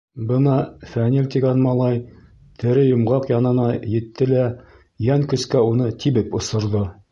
Бына Фәнил тигән малай тере йомғаҡ янына етте лә йән көскә уны тибеп осорҙо.